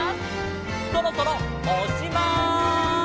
そろそろおっしまい！